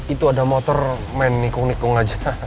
itu ada motor main nikung nikung aja